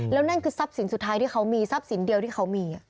แล้วนั่นคือทรัพย์สินสุดท้ายที่เขามีทรัพย์สินเดียวที่เขามี